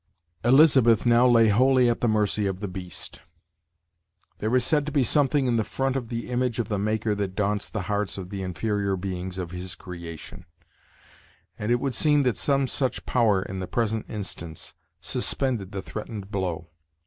Elizabeth now lay wholly at the mercy of the beast. There is said to be something in the front of the image of the Maker that daunts the hearts of the inferior beings of his creation; and it would seem that some such power, in the present instance, suspended the threatened blow.